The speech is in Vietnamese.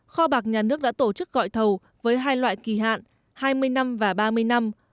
kho bạc nhà nước đã tổ chức gọi thầu với hai loại kỳ hạn hai mươi năm và ba mươi năm